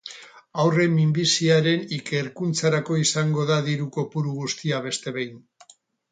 Haurren minbiziaren ikerkuntzarako izango da diru kopuru guztia beste behin.